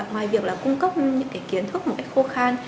ngoài việc cung cấp những kiến thức khô khan